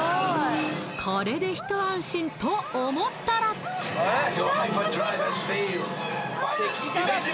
これで一安心と思ったらあっ！